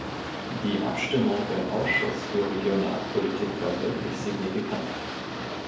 Die Abstimmung im Ausschuss für Regionalpolitik war wirklich signifikant.